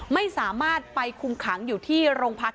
ไม่สามารถไปคุมขังอยู่ที่โรงพัก